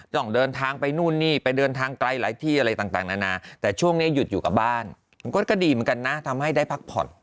ต้องเดินทางไปนู่นนี่ไปเดินทางไกลหลายที่อะไรต่างนานาแต่ช่วงนี้หยุดอยู่กับบ้านมันก็ดีเหมือนกันนะทำให้ได้พักผ่อน